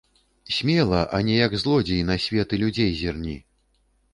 Смела, а не як злодзей, на свет і людзей зірні!